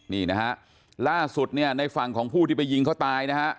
นี่นะฮะล่าสุดเนี่ยในฝั่งของผู้ที่ไปยิงเขาตายนะฮะ